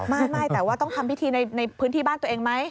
ไม่แต่ว่าต้องทำพิธีในพื้นที่บ้านตัวเองไหม